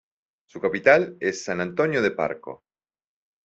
Su capital es "San Antonio de Parco"